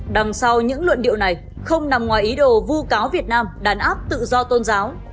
đằng sau những luận điệu này không nằm ngoài ý đồ vu cáo việt nam đàn áp tự do tôn giáo